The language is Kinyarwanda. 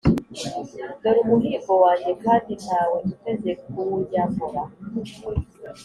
dore umuhigo wanjye kandi nta we uteze kuwunyambura.